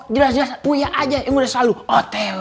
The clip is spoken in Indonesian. jelas jelas uya aja yang udah selalu otw